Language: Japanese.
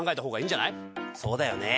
そうだよね。